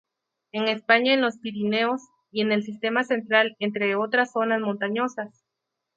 En España en los Pirineos, y en el Sistema Central entre otras zonas montañosas.